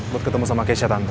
buat ketemu sama keisha tanto